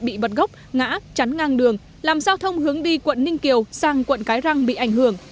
bị bật gốc ngã chắn ngang đường làm giao thông hướng đi quận ninh kiều sang quận cái răng bị ảnh hưởng